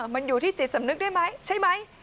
มันอยู่ที่จิตสำนึกได้ไหมใช่ไหม